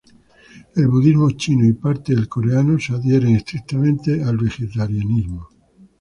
El budismo chino y parte del coreano se adhieren estrictamente al vegetarianismo.